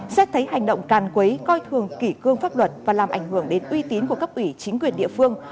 xét thấy hành động càn quấy coi thường kỷ cương pháp luật và làm ảnh hưởng đến uy tín của cấp ủy chính quyền địa phương